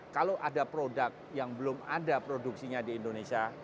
kalau ada produk yang belum ada produksinya di indonesia